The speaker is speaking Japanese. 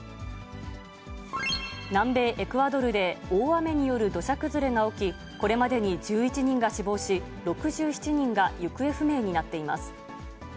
南米エクアドルで、大雨による土砂崩れが起き、これまでに１１人が死亡し、６７人が行方不明になっています。